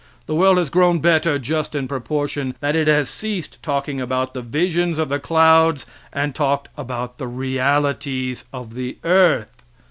The world has grown better just in proportion that it has ceased talking about the visions of the clouds, and talked about the realities of the earth.